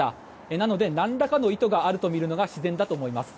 なので何らかの意図があるとみるのが自然だとみえます。